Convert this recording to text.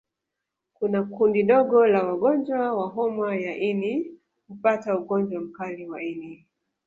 Kuna kundi dogo la wagonjwa wa homa ya ini hupata ugonjwa mkali wa ini